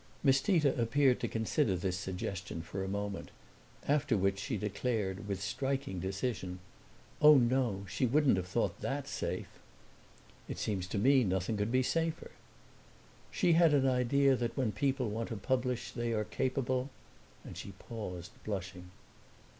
Miss Tita appeared to consider this suggestion for a moment; after which she declared, with striking decision, "Oh no, she wouldn't have thought that safe!" "It seems to me nothing could be safer." "She had an idea that when people want to publish they are capable " And she paused, blushing.